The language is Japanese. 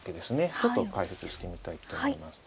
ちょっと解説してみたいと思います。